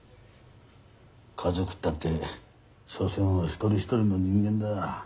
家族ったって所詮は一人一人の人間だ。